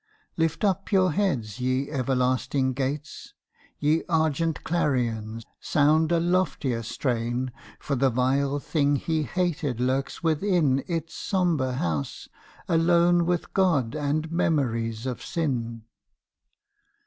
Lift up your heads ye everlasting gates! Ye argent clarions, sound a loftier strain For the vile thing he hated lurks within Its sombre house, alone with God and memories of sin.